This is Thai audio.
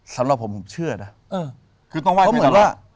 สำหรับผมผมเชื่อนะ